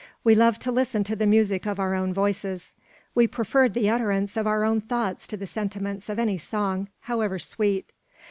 We loved to listen to the music of our own voices. We preferred the utterance of our own thoughts to the sentiments of any song, however sweet.